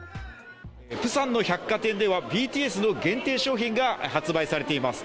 プサンの百貨店ではＢＴＳの限定商品が発売されています。